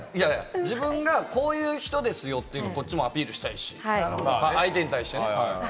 自分がこういう人ですよというのを、こっちもアピールしたいし、相手に対してね。